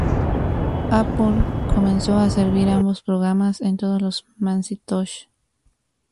Apple comenzó a servir ambos programas con todos los Macintosh.